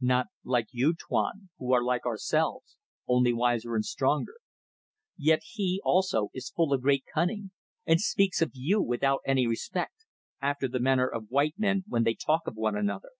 "Not like you, Tuan, who are like ourselves, only wiser and stronger. Yet he, also, is full of great cunning, and speaks of you without any respect, after the manner of white men when they talk of one another."